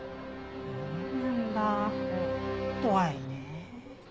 そうなんだ怖いね。